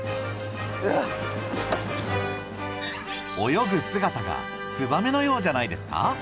泳ぐ姿がツバメのようじゃないですか？